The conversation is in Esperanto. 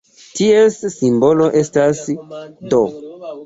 Ties simbolo estas "d".